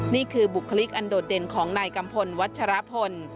นี่คือบุคลิกอันโดดเด่นของนายกัมพลวัชรพล